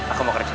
aku mau kerja